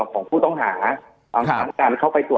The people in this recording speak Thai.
จนถึงปัจจุบันมีการมารายงานตัว